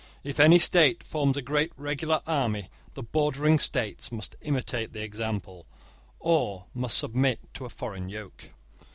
If any state forms a great regular army, the bordering states must imitate the example, or must submit to a foreign yoke.